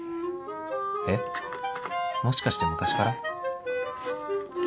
えもしかして昔から？